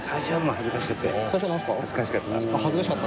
恥ずかしかった。